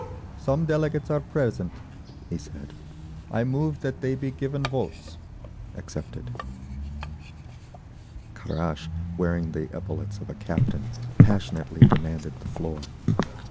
"Some delegates are present," he said. "I move that they be given votes." Accepted. Kharash, wearing the epaulets of a captain, passionately demanded the floor.